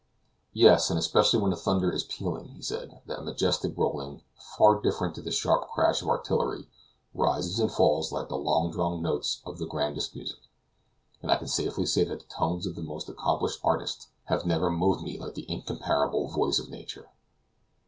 "Yes, and especially when the thunder is pealing," he said; "that majestic rolling, far different to the sharp crash of artillery, rises and falls like the long drawn notes of the grandest music, and I can safely say that the tones of the most accomplished artiste have never moved me like that incomparable voice of nature."